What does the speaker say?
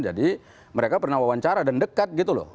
jadi mereka pernah wawancara dan dekat gitu loh